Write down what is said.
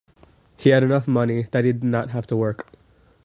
He had enough money that he did not have to work.